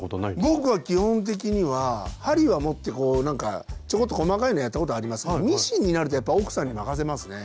僕は基本的には針は持ってこうなんかちょこっと細かいのやったことありますけどミシンになるとやっぱ奥さんに任せますね。